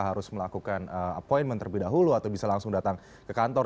harus melakukan appointment terlebih dahulu atau bisa langsung datang ke kantor